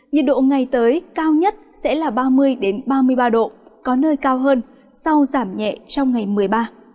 nhiệt độ ngày tới cao nhất sẽ là ba mươi ba mươi ba độ có nơi cao hơn sau giảm nhẹ trong ngày một mươi ba